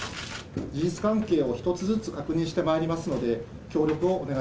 事実関係を一つずつ確認してまいりますので、